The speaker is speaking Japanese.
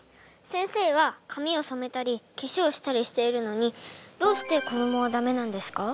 先生は髪をそめたり化粧したりしているのにどうして子どもはダメなんですか？